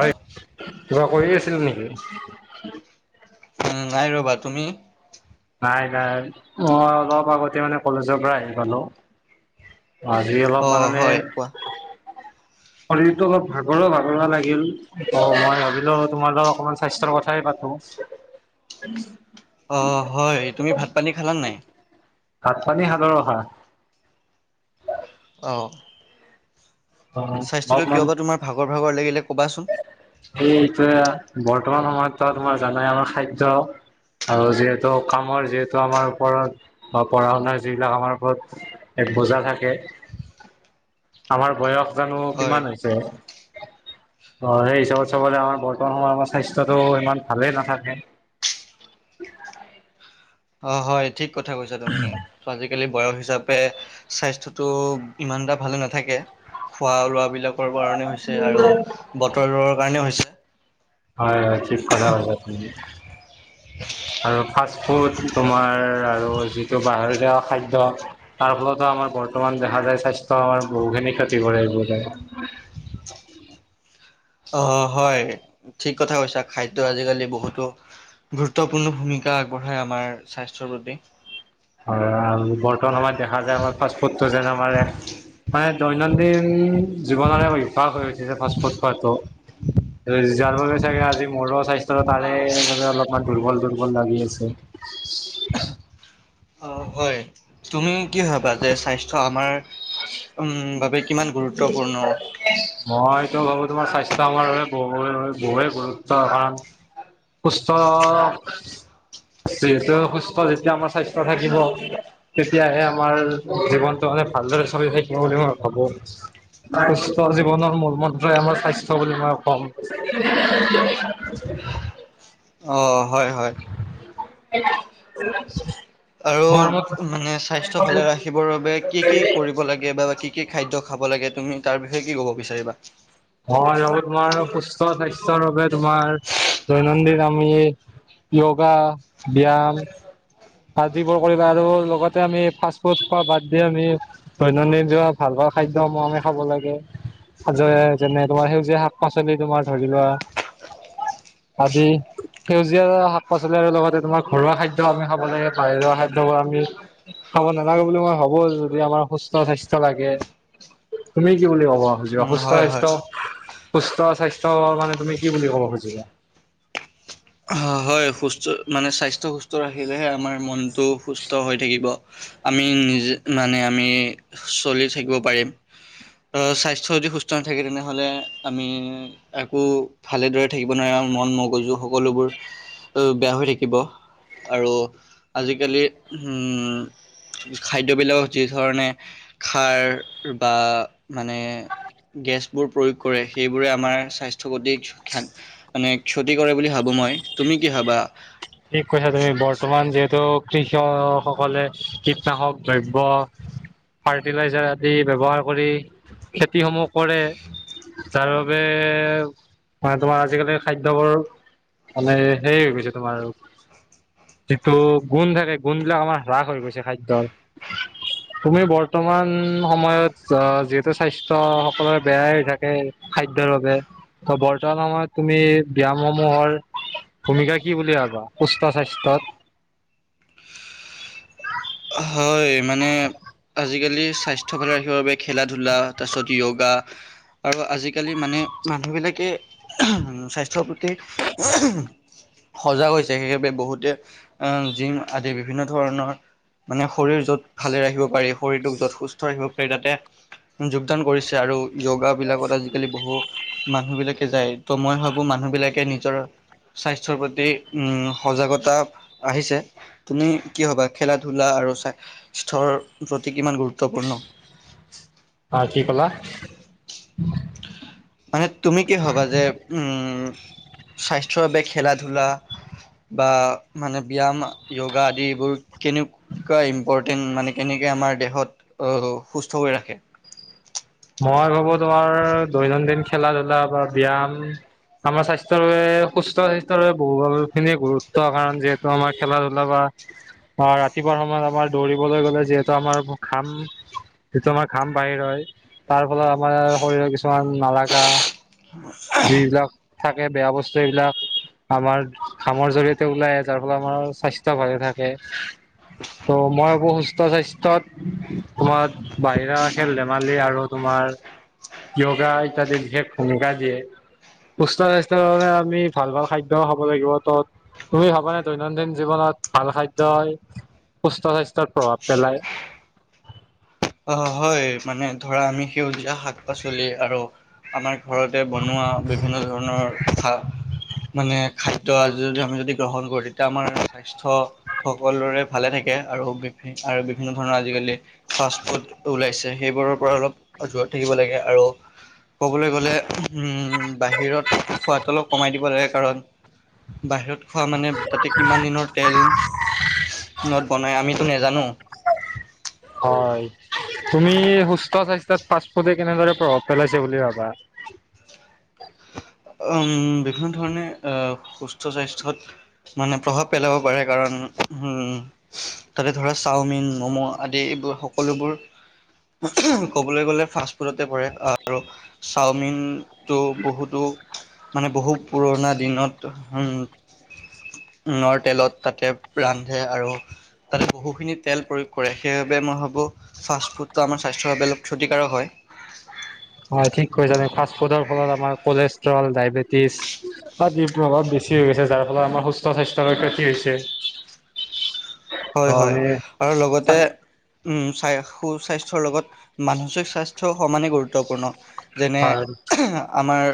উম, কিবা কৰি আছিল নেকি? [unintelligible] উম নাই ৰবা তুমি। নাই নাই মই অলপ আগতে মানে কলেজৰ পৰা আহি পালো। আজি অলপ অ', হয় মানে- কোৱা। শৰীৰটো অলপ ভাগৰুৱা ভাগৰুৱা লাগিল। মই ভাবিলো তোমাৰ লগত অকনমান স্বাস্থ্যৰ কথাই পাতো। অ- হয় তুমি ভাত পানী খালা নে নাই? ভাত পানী খালোঁ [unintelligible] অহ। অ স্বাস্থ্যটো অলপমান কিয় বা তোমাৰ ভাগৰ ভাগৰ লাগিলে ক'বাচোন। এই ইটো- বৰ্তমান সময়ত তোমাৰ জানাই আমাৰ খাদ্য আৰু যিহেতু কামৰ যিহেতু আমাৰ ওপৰত বা পঢ়া শুনাৰ যিবিলাক আমাৰ ওপৰত এক বোজা থাকে। আমাৰ বয়স- জানো হয়। কিমান হৈছে। অ সেই- ত চাবলে আমাৰ বৰ্তমান সময় আমাৰ স্বাস্থ্যটো ইমান ভালেই নাথাকে। অ হয় ঠিক- কথা কৈছা তুমি আজিকালি বয়স- হিচাপে স্বাস্থ্যটো ইমান এটা ভালে নাথাকে খোৱা লোৱা বি- বিলাকৰ কাৰণে হৈছে আৰু বতৰৰ কাৰণে হৈছে। হয় হয় ঠিক কথা কৈছা তুমি। আৰু- ফাষ্টফুড তোমাৰ আৰু যিটো বাহেৰিয়া খাদ্য তাৰ ফলতো আমাৰ বৰ্তমান দেখা যায় স্বাস্থ্য আমাৰ বহুখিনি ক্ষতি কৰে এইবোৰে। অঁহ হয় ঠিক কথা কৈছা। খাদ্য আজিকালি বহুতো গুৰুত্বপূৰ্ণ ভূমিকা আগবঢ়ায় আমাৰ স্বাস্থ্যৰ প্ৰতি। হয়। বৰ্তমান আমাৰ দেখা যায় আমাৰ ফাষ্টফুড যেন আমাৰ মানে- দৈনন্দিন জীৱন অভ্যাস হৈ উঠিছে ফাষ্টফুড খোৱাাতটো যাৰ বাবে চাগে আজি মোৰো স্বাস্থ্যতাৰে বাবে অলপমান দুৰ্বল দুৰ্বল লাগি আছে। অ', হয়। তুমি কি ভাবা যে স্বাস্থ্য আমাৰ- উম বাবে কিমান গুৰুত্বপূৰ্ণ? টো ভাবো তোমাৰ স্বাস্থ্য আমাৰ বাবে ব বহু গুৰুত্ব কাৰণ সুস্থ যিহেতু সুস্থ যেতিয়া আমাৰ স্বাস্থ্য থাকিব তেতিয়াহে আমাৰ জীৱনটো মানে ভালদৰে চলি থাকব- বুলি মই ভাবো। সুস্থ জীৱনৰ মূল-মন্তই আমাৰ স্বাস্থ্য বুলি মই ক'ম। অ, হয় হয়। [inaudible] আৰু তোমাৰ মতে মানে স্বাস্থ্য মই ভালে ৰাখিবৰ বাবে কি কি কৰিব লাগে বা কি কি খাদ্য খাব লাগে, তুমি তাৰ তুমি কি ক'ব বিচাৰিবা? ভাবো তোমাৰ সুস্থ-স্বাস্থ্যৰ বাবে তোমাৰ দৈনন্দিন আমি য়োগা, ব্যয়াম আদিবোৰ কৰিব আৰু লগতে আমি ফাষ্ট ফুড খোৱা বাদ দি আমি দৈনন্দিন যিবোৰ ভাল ভাল খাদ্যসমূহ আমি খাব লাগে। আজৰে যেনে তোমাৰ সেউজীয়া শাক পাচলি তোমাৰ ধৰি লোৱা আদি সেউজীয়া শাক পাচলি আৰু লগতে তোমাৰ ঘৰুৱা খাদ্য আমি খাব লাগে বাহিৰ খাদ্যবোৰ আমি খাব নালাগে বুলি মই ভাবো যদি আমাৰ সুস্থ স্বাস্থ্য লাগে তুমি কি বুলি ভাবা অ য উম সুস্থ হয় হয় স্বাস্থ্য সুস্থ স্বাস্থ্য মানে তুমি কি বুলি ক'ব খুজিছা হয় সুস্থ মানে স্বাস্থ্য সুস্থ ৰাখ থাকিলেহে আমাৰ মনটো সুস্থ হৈ থাকিব আমি নিজে মানে আমি চলি থাকিব পাৰিম স্বাস্থ্য যদি সুস্থ নাথাকে তেনেহ'লে আমি আকৌ ভালেদৰে থাকিব নোৱাৰিম মন মগজু সকলোবোৰ বেয়া হৈ থাকিব আৰু আজিকালি খাদ্যবিলাকত যিধৰণে খাৰ বা মানে গেছবোৰ প্ৰয়োগ কৰে সেইবোৰে আমাৰ স্বাস্থ্যৰ প্ৰতি ক্ষতি কৰে বুলি ভাবোঁ মই তুমি কি ভাবা ঠিক কৈছা তুমি বৰ্তমান যিহেতু কৃষক সকলে কীটনাশক দ্ৰব্য ফাৰ্টিলাইজাৰ আদি ব্যৱহাৰ কৰি খেতি সমূহ কৰে যাৰ বাবে মানে তোমাৰ আজিকালি খাদ্যবোৰ মানে সেই হৈ গৈছে তোমাৰ যিটো গুণ থাকে গুণ বিলাক আমাৰ হ্ৰাস হৈ গৈছে খাদ্যৰ তুমি বৰ্তমান সময়ত আহ যিহেতু স্বাস্থ্য সকলোৰে বেয়াই থাকে খাদ্যৰ বাবে ত বৰ্তমান সময়ত তুমি ব্যয়াম সমূহৰ ভূমিকা কি বুলি ভাবা সুস্থ স্বাস্থ্যত হয় মানে আজিকালি স্বাস্থ্য ভালে ৰ বাবে খেলা ধূলা তাৰপিছত ইয়োগা আৰু আজিকালি মানে মানুহ বিলাকে স্বাস্থ্যৰ প্ৰতি সজাগ হৈছে সেইবাবে বহুতে জিম আদি বিভিন্ন ধৰণৰ মানে শৰীৰ যত ভালে ৰাখিব পাৰি শৰীৰটোক য'ত সুস্থ ৰাখিব পাৰি তাতে যোগদান কৰিছে আৰু এওঁগা বিলাকত আজিকালি বহু মানুহ বিলাকে যায় ত' মই ভাবো মানুহ বিলাকে নিজৰ স্বাস্থ্যৰ প্ৰতি উম সজাগতা আহিছে তুমি কি ভাবা খেলাত ধূলা আৰু স্বাস্থ্যৰ প্ৰতি কিমান গুৰুত্বপূৰ্ণ অ কি কলা মানে তুমি কি ভাবা যে উম স্বাস্থ্যৰ বাবে খেলা ধূলা বা মানে ব্যায়াম যয়োগা আদি এইিবোৰ কেনেকুৱা ইম্পৰ্টেণ্ট মানে কেনেকৈ আমাৰ দেহত সুস্থ কৰি ৰাখে মই ভাবো তোমাৰ দৈনন্দিন খেলা ধূলা বা ব্যায়াম আমাৰ স্বাস্থ্যৰ বাবে সুস্থ স্বাস্থ্যৰ বাবে বহু খিনি গুৰুত্ব কাৰণ যিহেতু আমাৰ খেলা ধূলা বা ৰাতিপুৱা সময়ত আমাৰ দৌৰিবলৈ গলে যিহেতু আমাৰ ঘাম যিটো আমাৰ ঘাম বাহিৰ হয়। তাৰ ফলত আমাৰ শৰীৰৰ কিছুমান নালাগা যিবিলাক [unintelligible] থাকে বেয়া বস্তু সেইবিলাক আমাৰ ঘামৰ জৰিয়তে ওলাই যাৰ ফলত আমাৰ স্বাস্থ্য ভালে থাকে ত' মই ভাবো সুস্থ স্বাস্থ্যত তোমাৰ বাহিৰা খেল ধেমালি আৰু তোমাৰ যয়োগা ইত্যাদি বিশেষ ভূমিকা দিয়ে সু স্বাস্থ্যৰ বাবে আমি ভাল ভাল খাদ্য খাব লাগিব তত তুমি ভাবানে দৈনন্দিন জীৱনত ভাল খাদ্যই সুস্থ স্বাস্থ্যৰ প্ৰভাৱ পেলায়। অ হয় মানে ধৰা আমি সেউজীয়া শাক পাচলি আৰু আমাৰ ঘৰতে বনোৱা বিভিন্ন ধৰণৰ কথা মানে খাদ্য আজি যদি আমি যদি গ্ৰহণ কৰোঁ তেতিয়া আমাৰ স্বাস্থ্য সকলোৰে ভালে থাকে আৰু বি আৰু বিভিন্ন ধৰণৰ আজিকালি ফা ওলাইছে সেইবোৰৰ পৰা অলপ দূৰত থাকিব লাগে আৰু ক'বলৈ গ'লে উম বাহিৰত খোৱাদ অলপ কমাই দিব লাগে কাৰণ বাহিৰত খোৱা মানে তাতে কিমান দিনৰ তেল ত বনাই আমিতো নাজানো হয় তুমি সুস্থ স্বাস্থ্যত ফাৰ্ষ্ট ফুডে কেনেদৰে প্ৰভাৱ পেলাইছে বুলি ভাবা উ বিভিন্ন ধৰণে সুস্থ স্বাস্থ্যত মানে প্ৰভাৱ পেলাব পাৰে কাৰণ উম তাতে ধৰা চাওমিন ম'ম' আদি এইবোৰ সকলোবোৰ ক'বলৈ গ'লে ফাষ্ট ফুডতে পৰে আৰু চাওমিন তো বহুতো মানে বহু পুৰণা দিনত উ উন তেলত তাতে ৰান্ধে আৰু তাতে বহুখিনি তেল প্ৰয়োগ কৰে সেইবাবে মই ভাবোঁ ফাষ্টফুডটো আমাৰ স্বাস্থ্যৰ বাবে অলপ ক্ষতিকাৰক হয় হয় ঠিক কৈছা ফাষ্ট ফুডৰ ফলত আমাৰ কলেষ্ট্ৰল ডায়বেটিছ আদিৰ প্ৰভাৱ বেছি হৈ গছে যাৰ ফলত আমাৰ সুস্থ স্বাস্থ্যৰ ক্ষতি হৈছে অ হয় হয় আমি আৰু লগতে উম চাই সুস্বাস্থ্যৰ লগত মানসিক স্বাস্থ্য সমানে গুৰুত্বপূৰ্ণ যেনে আমাৰ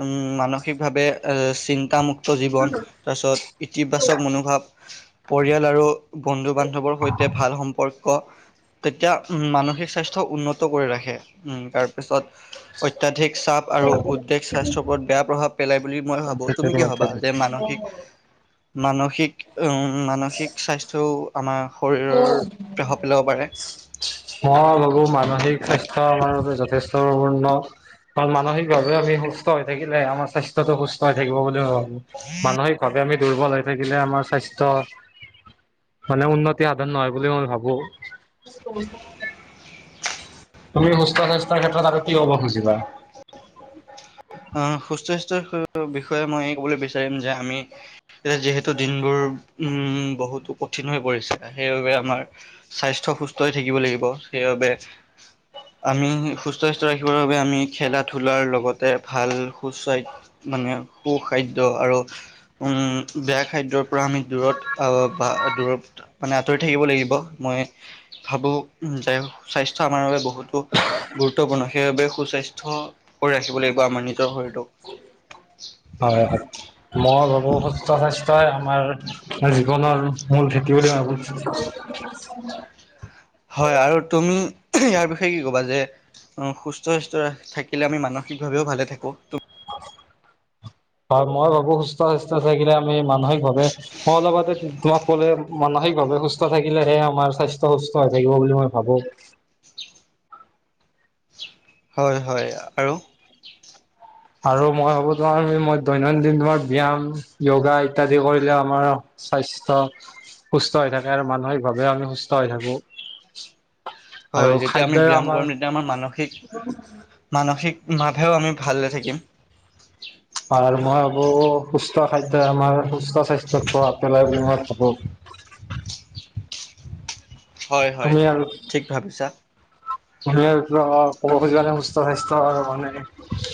উম মানসিকভাৱে এ চিন্তামুক্ত জীৱন তাৰপিছত ইতিবাচক মনোভাৱ পৰিয়াল আৰু বন্ধু বান্ধৱৰ সৈতে ভাল সম্পৰ্ক সম্পৰ্ক তেতিয়া উ মানসিক স্বাস্থ্য উন্নত কৰি ৰাখে উ তাৰপিছত অত্যাধিক চাপ আৰু উদ্বেগ স্বাস্থ্যৰ ওপৰত বেয়া প্ৰভাৱ পেলাই বুলি মই ভাবো তুমি কি ভবা হয় যে মানসিক মানসিক উ মানসিক স্বাস্থ্য টো' আমাৰ মই পেলাব পাৰে। ভাবো মানসিক স্বাস্থ্য আমাৰ বাবে যথেষ্টপূৰ্ণ পূৰ্ণ মানসিকভাৱে আমি সুস্থ হৈ থাকিলে আমাৰ স্বাস্থ্যটো সুস্থ হৈ থাকিব বুলি মই ভাবো মানসিক ভাৱে আমি দুৰ্বল হৈ থাকিলে আমাৰ স্বাস্থ্য মানে উন্নত উন্নতি সাধন নহয় বুলি মই ভাবোঁ তুমি সু্স্থ স্বাস্থ্যৰ ক্ষেত্ৰত আৰু কি হ'ব খুজিবা আহ সুস্থ স্বাস্থ্যৰ বিষয়ে মই এই ক'বলৈ বিচাৰিম যে আমি যে যিহেতু দিনবোৰ উম বহুতো কঠিন হৈ পৰিছে সেইবাবে আমাৰ স্বাস্থ্য সুস্থ হৈ থাকিব লাগিব সেইবাবে আমি সুস্থ স্বাস্থ্য ৰাখিবৰ বাবে আমি খেলা ধূলাৰ লগতে ভাল সুস্বাস মানে সু খাদ্য আৰু উম বেয়া খাদ্যৰ পৰা আমি দূৰত বা দূৰত মানে আঁতৰি থাকিব লাগিব মই ভাবোঁ যে স্বাস্থ্য আমাৰ বাবে বহুতো গুৰুত্বপূৰ্ণ সেইবাবে সুস্বাস্থ্য কৰি ৰাখিব লাগিব বা আমাৰ নিজৰ শৰীৰটোক হয় হয় মই ভাবো সুস্থ স্বাস্থ্য তই আমাৰ জীৱনৰ মূল খেতি বুলি ভাবো হয় আৰু তুমি ইয়াৰ বিষয়ে কি কবা যে সুস্থ সস্বাস্থ্য থাকিলে আমি মানসিকভাৱেও ভালে থাকো হয় মই ভাবো সুস্থ স্বাস্থ্য থাকিলে আমি মানসিকভাৱে মই অলপতে তোমাক কলোৱে মানসিকভাৱে সুস্থ থাকিলেহে আমাৰ স্বাস্থ্য সুস্থ হৈ থাকিব বুলি মই ভাবো হয় হয় আৰু আৰু মই ভাবো আৰু মই দৈনন্দিন ব্যায়াম য়োগা ইত্যাদি কৰিলে আমাৰ স্বাস্থ্য সুস্থ হৈ থাকে আৰু মানসিকভাৱে আমি সুস্থ হৈ থাকো আৰু হয় যেতিয়া আমি খাদ্যই ব্যয়াম আমাৰ কৰিম তেতিয়া আমাৰ মানসিক মানসিক মাজেও আমি ভালে থাকিম আৰু মই ভাবো সুস্থ খাদ্যয় আমাৰ সুস্থ স্বাস্থ্যৰ প্ৰভাব পেলাই বুলি মই ভাবো হয় হয় ঠিক ভাবিছা সুনিদ ক'ব খুজিবানে সুস্থ স্বাস্থ্য আৰু মানে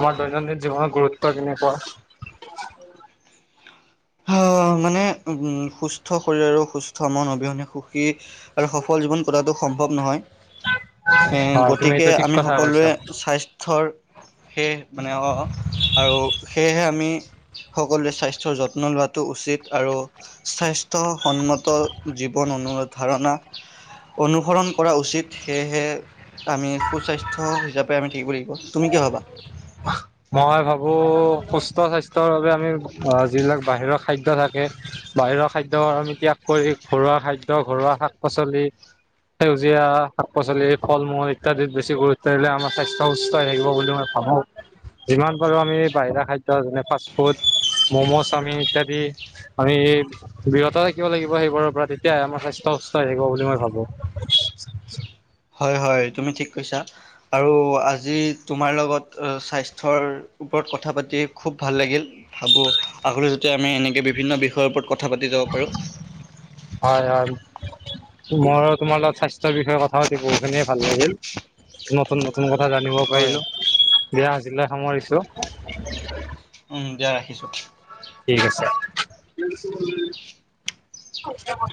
আমাৰ দৈনন্দিন জীৱনত গুৰুত্ব কেনেকুৱা অ মানে উ সুস্থ শৰীৰ আৰু সুস্থ মন অবিহনে সুখী আৰু সফল জীৱন কটাটো সম্ভৱ নহয় এ হয় তুমি গতিকে এইটো ঠিক আমি কথা সকলোৱে কৈছা। স্বাস্থ্যৰ সেয়ে মানে অ আৰু সেয়েহে আমি সকলোৱে স্বাস্থ্যৰ যত্ন যত্ন লোৱাটো উচিত আৰু স্বাস্থ্যসন্মত জীৱন অনু ধাৰণা অনুসৰণ কৰা উচিত সেয়েহে আমি সুস্বাস্থ্য হিচাপে আমি কি কৰি তুমি কিয় হবা মই ভাবো সুস্থ স্বাস্থ্যৰ বাবে। যিবিলাক বাহিৰৰ খাদ্য। থাকে বাহিৰৰ খাদ্য আমি ত্যাগ কৰি ঘৰুৱা খাদ্য ঘৰুৱা শাক পাচলি সেউজীয়া শাক পাচলি ফল মূল ইত্যাদিত বেছি গুৰুত্ব দিলে আমাৰ স্বাস্থ্য সুস্থ। সৈ থাকিব বুলি মই ভাবো যিমান পাৰো আমি বাহিৰা খাদ্য যেনে ফাষ্ট ফুড মম'জ আমি ইত্যাদি আমি বিৰত থাকিব লাগিব সেইবোৰৰ পৰা তেতিয়াহে আমাৰ স্বাস্থ্য সুস্থ হৈ থাকিব বুলি মই ভাবো। হয় হয় তুমি ঠিক কৈছা আৰু আজি তোমাৰ লগত স্বাস্থ্যৰ ওপৰত কথা পাতি খুব ভাল লাগিল ভাবো আগলৈ যতি আমি এনেকে বিভিন্ন বিষয়ৰ ওপৰত ক। কথা পাতি যাব পাৰো। মই তোমাৰ লগত স্বাস্থ্যৰ বিষয়ে কথা পাতি বহুখিনিয়ে ভাল লাগিল নতুন নতুন কথা। কথা জানিব হয় পাৰিলো দিয়া। আজিলে সামৰিছো। উম দিয়া ৰাখিছো। ঠিক আছে।